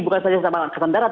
bukan saja angkatan darat